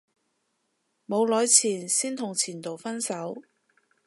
冇耐前先同前度分手